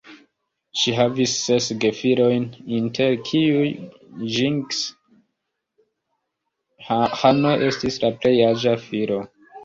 Ŝi havis ses gefilojn, inter kiuj Ĝingis-Ĥano estis la plej aĝa filo.